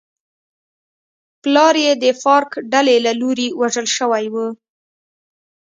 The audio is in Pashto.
پلار یې د فارک ډلې له لوري وژل شوی و.